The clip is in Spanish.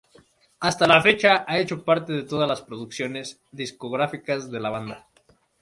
Hasta la fecha ha hecho parte de todas las producciones discográficas de la banda.